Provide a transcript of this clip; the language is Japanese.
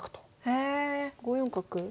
へえ５四角？